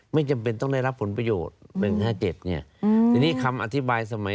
ไม่จำเป็นต้องได้รับผลประโยชน์๑๕๗ไงทีนี้คำอธิบายสมัย